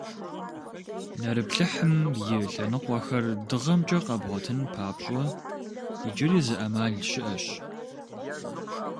Нэрыплъыхьым и лъэныкъуэхэр дыгъэмкӀэ къэбгъуэтын папщӀэ, иджыри зы Ӏэмал щыӀэщ.